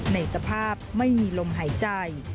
ในสภาพไม่มีลมหายใจ